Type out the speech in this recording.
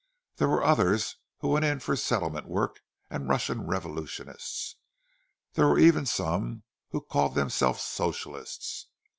There were others who went in for settlement work and Russian revolutionists—there were even some who called themselves Socialists!